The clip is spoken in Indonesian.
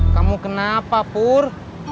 kamu kenapa pur